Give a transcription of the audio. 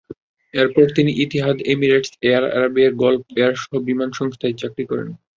এরপর তিনি Etihad, Emirates, Air Arabia, Gulf এয়ারসহ বিমান সংস্থায় চাকরি করেন।